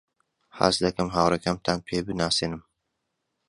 حەز دەکەم هاوڕێکەمتان پێ بناسێنم.